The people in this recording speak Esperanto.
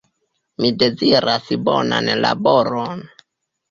Mi deziras bonan laboron